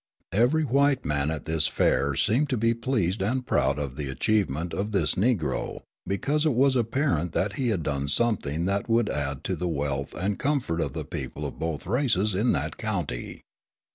Every white man at this fair seemed to be pleased and proud of the achievement of this Negro, because it was apparent that he had done something that would add to the wealth and comfort of the people of both races in that county.